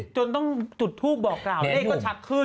จนต้องจุดทูปบอกกล่าวเลขก็ชัดขึ้น